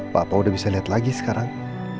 papa udah bisa lihat lagi sekarang